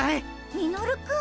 ミノルくん？